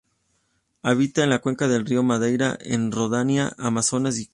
Habita en la cuenca del río Madeira en Rondônia, Amazonas y Acre.